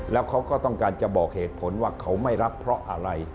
แล้วเขาก็ต้องการจะบอกเหตุผลว่าเขาไม่รับเพราะอะไร